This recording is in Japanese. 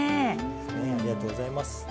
ありがとうございます。